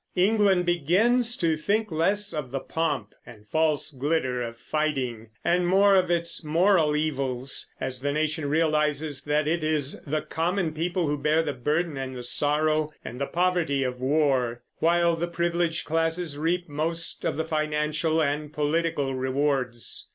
England begins to think less of the pomp and false glitter of fighting, and more of its moral evils, as the nation realizes that it is the common people who bear the burden and the sorrow and the poverty of war, while the privileged classes reap most of the financial and political rewards.